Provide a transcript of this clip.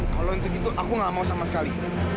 kalau untuk itu aku nggak mau sama sekali